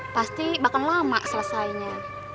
pasti bakal lama selesainya